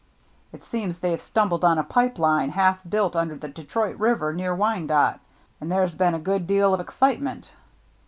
It seems they've stumbled on a pipe line half built under the Detroit River near Wyandotte, and there's been a good deal of excitement.